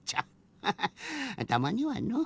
ハハたまにはのう。